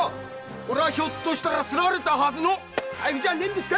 これはひょっとしてすられたはずの財布じゃねえんですか